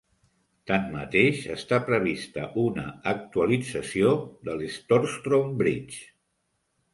Tanmateix, està prevista una actualització del Storstrom Bridge.